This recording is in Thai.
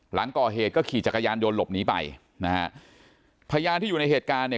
หลังก่อเหตุก็ขี่จักรยานยนต์หลบหนีไปนะฮะพยานที่อยู่ในเหตุการณ์เนี่ย